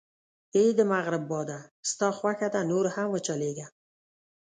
اې د مغرب باده، ستا خوښه ده، نور هم و چلېږه.